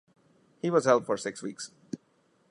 He was held for six weeks.